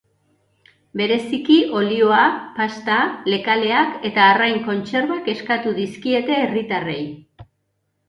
Bereziki, olioa, pasta, lekaleak eta arrain kontserbak eskatu dizkiete herritarrei.